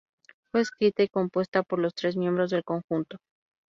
Fue escrita y compuesta por los tres miembros del conjunto.